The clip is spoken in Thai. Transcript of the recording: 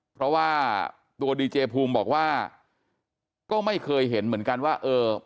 เพราะว่าตัวดีเจภูมิบอกว่าก็ไม่เคยเห็นเหมือนกันว่าเออ